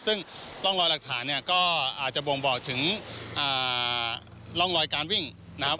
ซึ่งร่องรอยหลักฐานเนี่ยก็อาจจะบ่งบอกถึงร่องรอยการวิ่งนะครับ